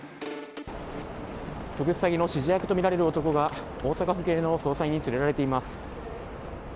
特殊詐欺の指示役とみられる男が大阪府警の捜査員に連れられています。